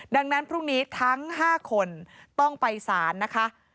ดังนั้นพรุ่งนี้ทั้ง๕คนต้องไปสารนะคะ